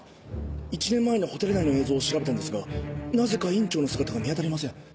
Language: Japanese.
１年前のホテル内の映像を調べたんですがなぜか院長の姿が見当たりません。